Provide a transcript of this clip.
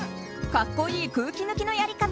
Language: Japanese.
格好いい空気抜きのやり方。